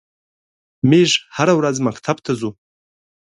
میږ هره ورځ مکتب ته څو.